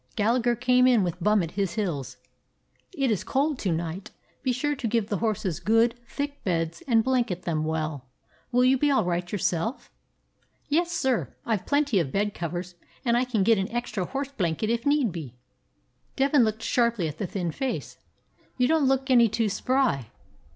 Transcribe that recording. Gallagher came in with Bum at his heels. "It is cold to night. Be sure and give the horses good, thick beds, and blanket them well. Will you be all right yourself?" "Yes, sir. I 've plenty of bed covers, and I kin git an extry horse blanket, if need be." Devin looked sharply at the thin face. "You don't look any too spry.